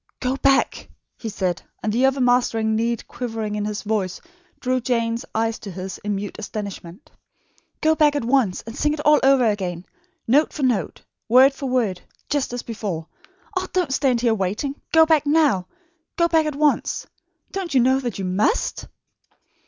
"Go back!" he said, and the overmastering need quivering in his voice drew Jane's eyes to his in mute astonishment. "Go back at once and sing it all over again, note for note, word for word, just as before. Ah, don't stand here waiting! Go back now! Go back at once! Don't you know that you MUST?"